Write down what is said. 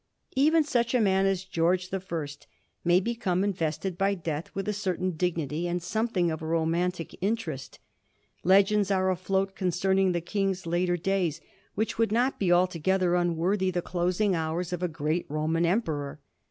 Even such a man as George the First may become invested by death with a certain dignity and some thing of a romantic interest. Legends are afloat concerning the King's later days which would not be altogether unworthy the closing hours of a great Digiti zed by Google 1727 THE RAVEN. 349 Roman emperor.